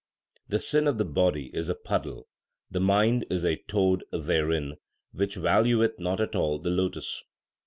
The sin of the body is a puddle, the mind is a toad therein, which valueth not at all the lotus.